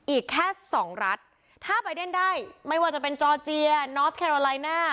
อีกแค่สองรัฐถ้าไปเล่นได้ไม่ว่าจะเป็นจอร์เจียนอฟแคโรไลน่า